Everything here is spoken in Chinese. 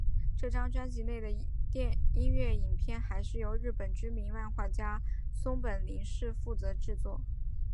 这张专辑内的音乐影片还是由日本知名漫画家松本零士负责制作。